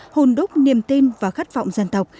hôn đúc niềm tin và khát vọng dân tộc